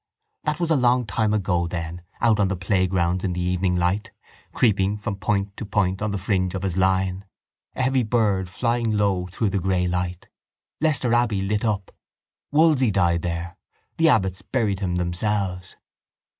That was a long time ago then out on the playgrounds in the evening light, creeping from point to point on the fringe of his line, a heavy bird flying low through the grey light. Leicester Abbey lit up. Wolsey died there. The abbots buried him themselves.